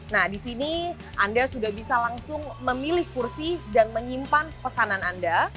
nah di sini anda sudah bisa langsung memilih kursi dan menyimpan pesanan anda